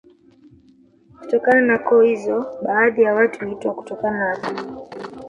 Kutokana na koo hizo baadhi ya watu huitwa kutokana na koo zao